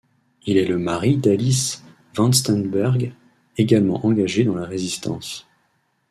Il est le mari d'Alice Vansteenberghe, également engagée dans la Résistance.